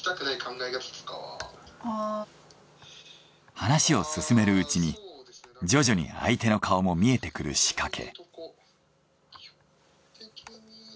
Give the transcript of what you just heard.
話を進めるうちに徐々に相手の顔も見えてくる仕掛け。